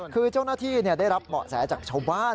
คือเจ้าหน้าที่ได้รับเบาะแสจากชาวบ้าน